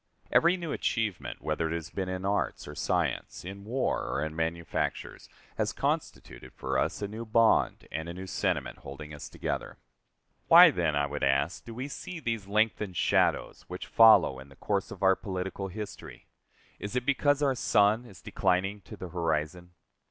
Every new achievement, whether it has been in arts or science, in war or in manufactures, has constituted for us a new bond and a new sentiment holding us together. Why, then, I would ask, do we see these lengthened shadows which follow in the course of our political history? Is it because our sun is declining to the horizon?